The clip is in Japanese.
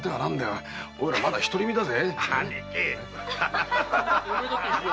おいら独り身だぜ。